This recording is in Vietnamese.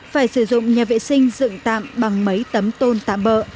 phải sử dụng nhà vệ sinh dựng tạm bằng mấy tấm tôn tạm bỡ